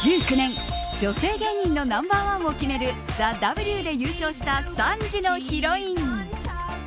２０１９年女性芸人のナンバーワンを決めるＴＨＥＷで優勝した３時のヒロイン。